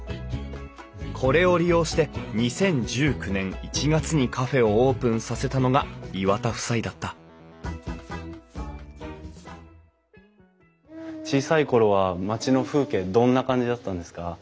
これを利用して２０１９年１月にカフェをオープンさせたのが岩田夫妻だった小さい頃は町の風景どんな感じだったんですか？